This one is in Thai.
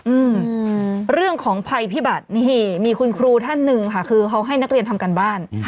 อืมเรื่องของภัยพิบัตินี่มีคุณครูท่านหนึ่งค่ะคือเขาให้นักเรียนทำการบ้าน